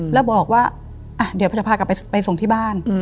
แล้วบอกว่าเดี๋ยวจะพากลับไปส่งที่บ้าน